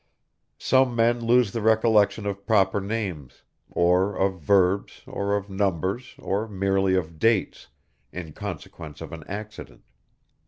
Some men lose the recollection of proper names, or of verbs or of numbers or merely of dates, in consequence of an accident.